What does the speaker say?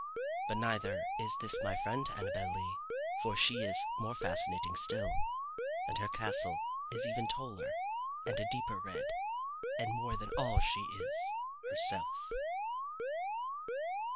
But neither is this my friend Annabel Lee. For she is more fascinating still, and her castle is even taller, and a deeper red and more than all she is herself.